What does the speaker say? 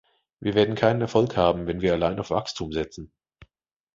Wir werden keinen Erfolg haben, wenn wir allein auf Wachstum setzen.